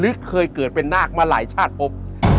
เคยเกิดเป็นนาคมาหลายชาติพบ